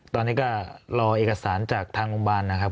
ตอนนี้ก็รอเอกสารจากทางลงบ้านนะครับ